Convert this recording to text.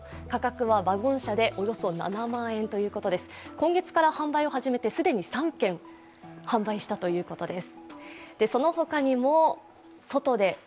今月から販売を始めて既に３件販売したということです。